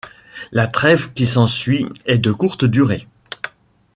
La trêve qui s'ensuit est de courte durée.